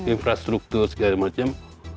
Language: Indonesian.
infrastruktur segala macam